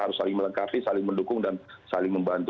harus saling melengkapi saling mendukung dan saling membantu